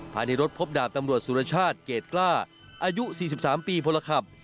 ภายในรถพบดาบตำรวจสุรชาติเกรดกล้าอายุ๔๓ปีพลขับ